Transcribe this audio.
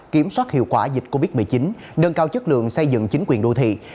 kiểm soát hiệu quả dịch covid một mươi chín nâng cao chất lượng xây dựng chính quyền đô thị